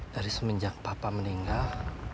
dari semenjak papa meninggal